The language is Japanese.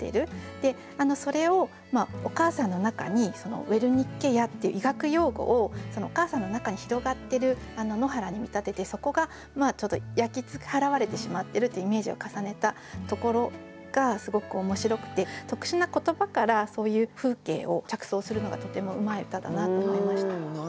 それをお母さんの中にウェルニッケ野っていう医学用語をお母さんの中に広がってる野原に見立ててそこが焼き払われてしまってるっていうイメージを重ねたところがすごく面白くて特殊な言葉からそういう風景を着想するのがとてもうまい歌だなと思いました。